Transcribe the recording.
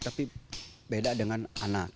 tapi beda dengan anak